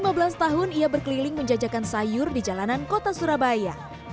kali ini ratna sudah lima belas tahun ia berkeliling menjajakan sayur di jalanan kota surabaya